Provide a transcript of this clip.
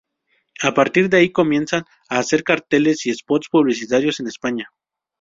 A partir de ahí comienza a hacer carteles y spots publicitarios en España.